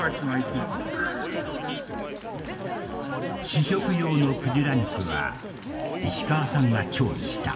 試食用のクジラ肉は石川さんが調理した。